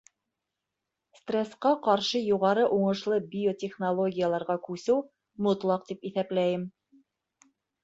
Стресҡа ҡаршы юғары уңышлы биотехнологияларға күсеү мотлаҡ, тип иҫәпләйем.